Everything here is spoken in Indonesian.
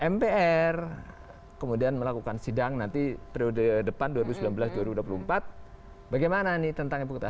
mpr kemudian melakukan sidang nanti periode depan dua ribu sembilan belas dua ribu dua puluh empat bagaimana ini tentang ibu kota